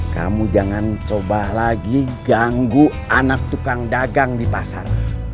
kamu jangan coba lagi ganggu anak tukang dagang di pasar